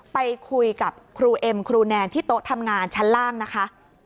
ไปคุยกับครูเอ็มครูแนนที่โต๊ะทำงานชั้นล่างนะคะ